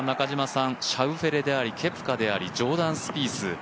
シャウフェレであれケプカでありジョーダン・スピース